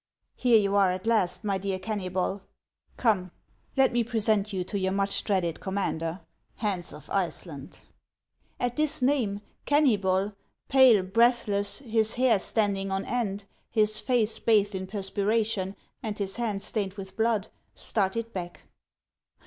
" Here you are at last, my dear Kennybol ! Come, let me present you to your much dreaded commander, Hans of Iceland." At this name, Kennybol, pale, breathless, his hair stand ing on end, his face bathed in perspiration, and his hands stained with blood, started back.